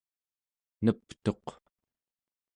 neptuq